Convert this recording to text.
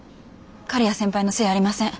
刈谷先輩のせいやありません。